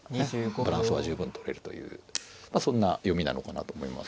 バランスは十分とれるというそんな読みなのかなと思います。